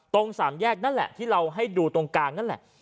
สามแยกนั่นแหละที่เราให้ดูตรงกลางนั่นแหละ